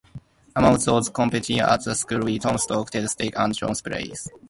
Among those competing at the school were Tom Stock, Ted Stickles, and Joan Spillane.